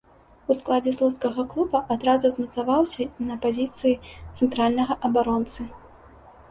У складзе слуцкага клуба адразу замацаваўся на пазіцыі цэнтральнага абаронцы.